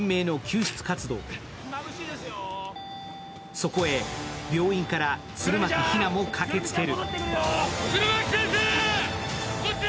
そこへ病院から弦巻比奈も駆けつける。